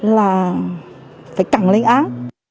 là phải cẳng lên án